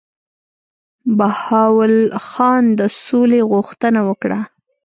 بهاول خان د سولي غوښتنه وکړه.